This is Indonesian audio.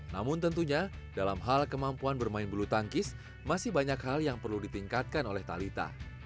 namun tentunya dalam hal kemampuan bermain bulu tangkis masih banyak hal yang perlu ditingkatkan oleh talitha